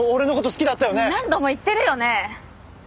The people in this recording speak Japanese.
何度も言ってるよね？